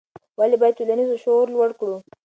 ولې باید ټولنیز شعور لوړ کړو؟